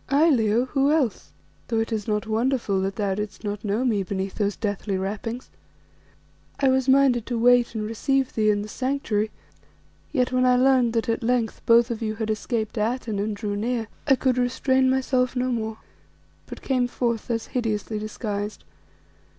"Aye, Leo, who else? though it is not wonderful that thou didst not know me beneath those deathly wrappings. I was minded to wait and receive thee in the Sanctuary, yet when I learned that at length both of you had escaped Atene and drew near, I could restrain myself no more, but came forth thus hideously disguised.